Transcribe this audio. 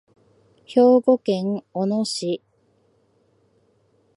兵庫県小野市